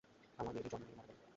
আমার মেয়েটি জন্ম নিয়েই মারা গেল।